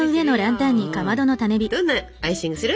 どんなアイシングする？